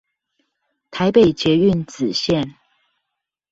臺北捷運紫線